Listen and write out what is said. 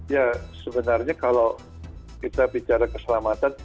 ya sebenarnya kalau kita bicara keselamatan